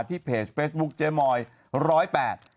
ที่เพจเฟสบุ๊คเจมอยด์๑๐๘